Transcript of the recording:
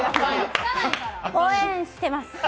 応援してます！